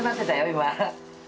今。